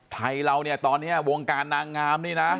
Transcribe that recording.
ไทยเราเนี่ยตอนนี้วงการนางงามนี่นะ